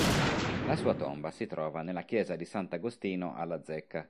La sua tomba si trova nella Chiesa di Sant'Agostino alla Zecca.